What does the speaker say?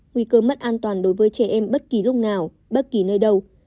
nguy cơ mất an toàn đối với trẻ em bất kỳ lúc nào bất kỳ nơi đâu